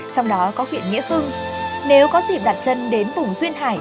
trong đó có huyện nghĩa hưng nếu có dịp đặt chân đến vùng duyên hải